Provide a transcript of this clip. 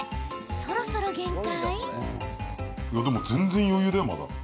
そろそろ限界？